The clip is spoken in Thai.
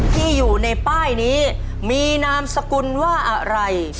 ที่อยู่ในป้ายนี้มีนามสกุลว่าอะไร